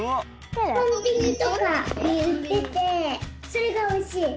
それがおいしい！